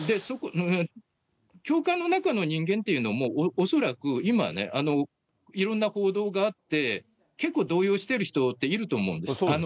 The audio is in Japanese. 教会の中の人間っていうのも、恐らく、今ね、いろんな報道があって、結構動揺してる人っていると思うんです。